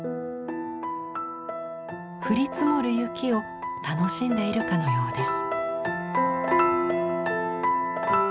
降り積もる雪を楽しんでいるかのようです。